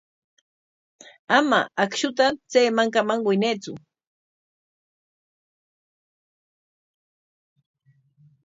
Ama akshuta chay mankaman winaytsu.